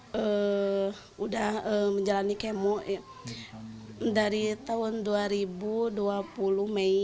sudah menjalani kemo dari tahun dua ribu dua puluh mei